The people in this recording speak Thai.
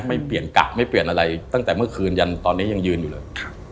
ไม่เปลี่ยนกะไม่เปลี่ยนอะไรตั้งแต่เมื่อคืนยันตอนนี้ยังยืนอยู่เลย